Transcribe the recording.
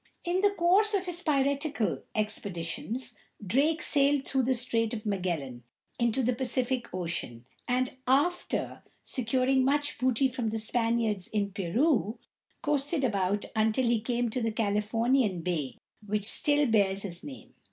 In the course of his piratical expeditions Drake sailed through the Strait of Magellan into the Pacific Ocean, and, after securing much booty from the Spaniards in Peru, coasted about until he came to the Californian bay which still bears his name.